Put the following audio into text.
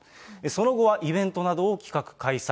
その後はイベントなどを企画・開催。